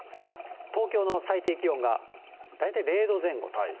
東京の最低気温が大体０度前後と。